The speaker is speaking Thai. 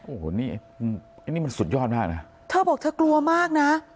โอ้โหนี่อันนี้มันสุดยอดมากนะเธอบอกเธอกลัวมากนะ